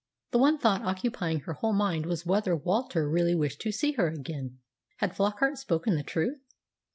The one thought occupying her whole mind was whether Walter really wished to see her again. Had Flockart spoken the truth?